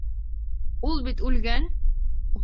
Ул бит үлгән!